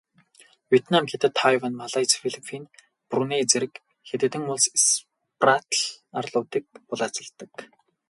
Вьетнам, Хятад, Тайвань, Малайз, Филиппин, Бруней зэрэг хэд хэдэн улс Спратл арлуудыг булаацалддаг.